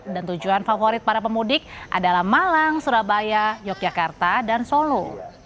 dan tujuan favorit para pemudik adalah malang surabaya yogyakarta dan solo